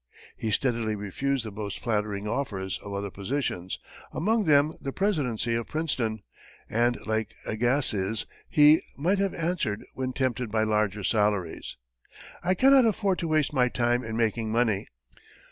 He steadily refused the most flattering offers of other positions, among them the presidency of Princeton, and like Agassiz, he might have answered, when tempted by larger salaries, "I cannot afford to waste my time in making money."